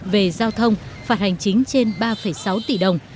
về giao thông phạt hành chính trên ba sáu tỷ đồng